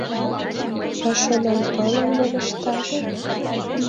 А Шонанпылым мом ышташ?